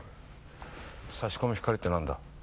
差し込む光って何だ？